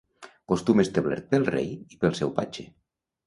Costum establert pel rei i pel seu patge.